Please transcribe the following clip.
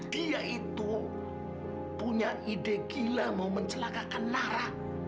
dia itu punya ide gila mau mencelakakan nara